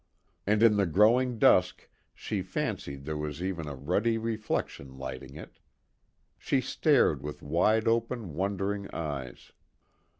And in the growing dusk she fancied there was even a ruddy reflection lighting it. She stared with wide open, wondering eyes.